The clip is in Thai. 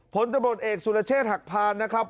ผลตบริโภตเอกสุรเชษฐ์หักพานนะครับ